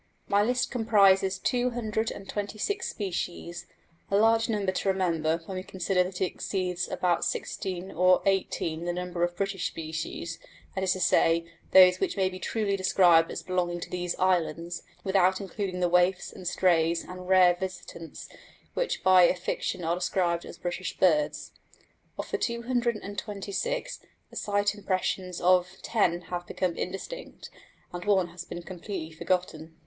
My list comprises 226 species a large number to remember when we consider that it exceeds by about 16 or 18 the number of British species; that is to say, those which may truly be described as belonging to these islands, without including the waifs and strays and rare visitants which by a fiction are described as British birds. Of the 226, the sight impressions of 10 have become indistinct, and one has been completely forgotten.